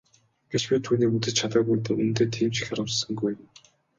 Гэвч би түүнийг үзэж чадаагүй дээ үнэндээ тийм ч их харамссангүй.